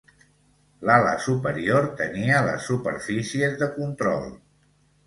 L'ala superior tenia les superfícies de control.